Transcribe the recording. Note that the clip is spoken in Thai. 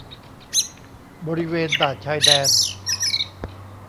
บริเวณด่านชายแดน